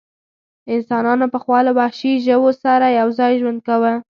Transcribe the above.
انسانانو پخوا له وحشي ژوو سره یو ځای ژوند کاوه.